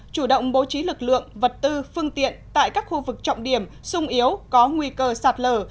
chủ động bố trí lực lượng vật tư phương tiện tại các khu vực trọng điểm sung yếu có nguy cơ sạt lở